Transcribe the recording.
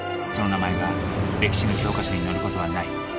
その名前が歴史の教科書に載る事はない。